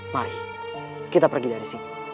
mari kita pergi dari sini